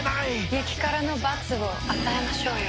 激辛の罰を与えましょうよ。